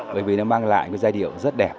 bởi vì nó mang lại cái giai điệu rất đẹp